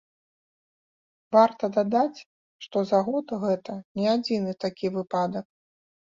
Варта дадаць, што за год гэта не адзіны такі выпадак.